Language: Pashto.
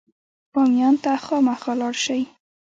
بامیان ته خامخا لاړ شئ.